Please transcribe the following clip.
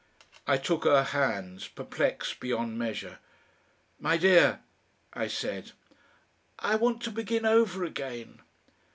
I took her hands, perplexed beyond measure. "My dear!" I said. "I want to begin over again."